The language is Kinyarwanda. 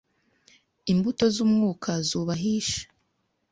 Imbuto z umwuka zubahisha